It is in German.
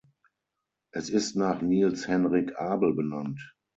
Es ist nach Niels Henrik Abel benannt.